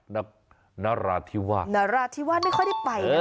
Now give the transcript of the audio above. นราธิวานราธิวานราธิวาไม่ค่อยได้ไปนะ